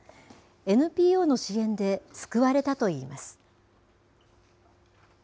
ＮＰＯの支援で救われたと言います。